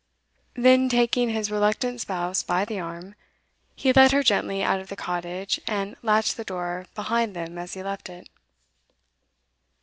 Then, taking his reluctant spouse by the arm, he led her gently out of the cottage, and latched the door behind them as he left it.